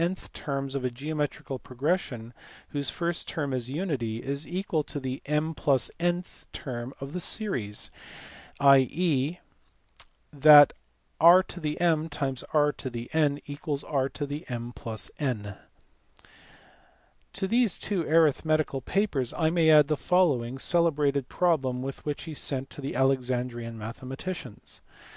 ith terms of a geometrical progression, whose first term is unity, is equal to the (ra + n)fh term of the series, i.e. that r m x r n r m+n . To these two arithmetical papers, I may add the following celebrated problem which he sent to the Alexandrian mathe maticians.